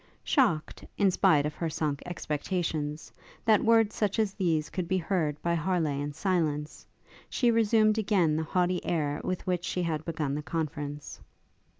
Shocked, in despite of her sunk expectations, that words such as these could be heard by Harleigh in silence, she resumed again the haughty air with which she had begun the conference.